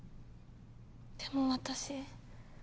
でも私。